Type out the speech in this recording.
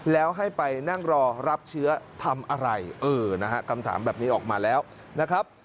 แล้วให้ไปนั่งรอรับเชื้อทำอะไรเออนะฮะคำถามแบบนี้ออกมาแล้วนะครับ